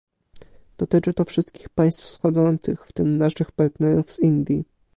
Dotyczy to wszystkich państw wschodzących, w tym naszych partnerów z Indii